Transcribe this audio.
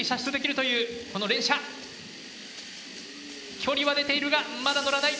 距離は出ているがまだ乗らない。